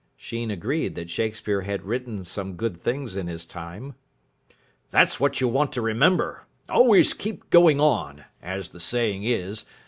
Sheen agreed that Shakespeare had written some good things in his time. "That's what you want to remember. Always keep going on, as the saying is.